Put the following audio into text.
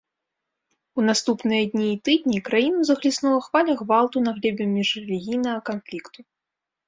У наступныя дні і тыдні краіну захліснула хваля гвалту на глебе міжрэлігійнага канфлікту.